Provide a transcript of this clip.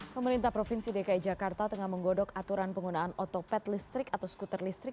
pemerintah provinsi dki jakarta tengah menggodok aturan penggunaan otopet listrik atau skuter listrik